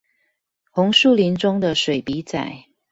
紅樹林中的水筆仔